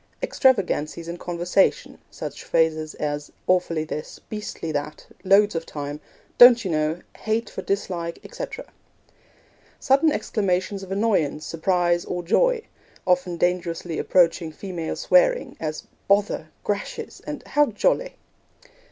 Extravagancies in conversation such phrases as 'Awfully this,' 'Beastly that,' 'Loads of time,' 'Don't you know,' 'hate' for 'dislike,' etc. Sudden exclamations of annoyance, surprise, or joy often dangerously approaching to 'female swearing' as 'Bother!' 'Gracious!' 'How jolly!'